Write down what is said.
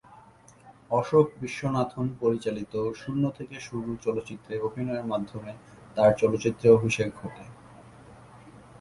অশোক বিশ্বনাথন পরিচালিত শূন্য থেকে শুরু চলচ্চিত্রে অভিনয়ের মাধ্যমে তার চলচ্চিত্রে অভিষেক ঘটে।